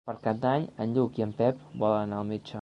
Per Cap d'Any en Lluc i en Pep volen anar al metge.